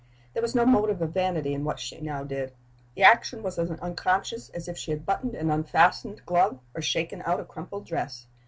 There was no motive of vanity in what she now did. The action was as unconscious as if she had buttoned an unfastened glove, or shaken out a crumpled dress.